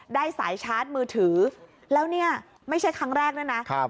สายชาร์จมือถือแล้วเนี่ยไม่ใช่ครั้งแรกด้วยนะ